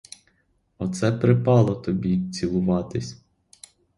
Оце припало тобі цілуватись!